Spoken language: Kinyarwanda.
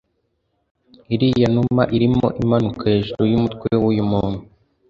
iriya numa irimo imanuka hejuru y umutwe w' uyu muntu